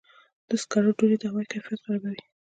د سکرو دوړې د هوا کیفیت خرابوي.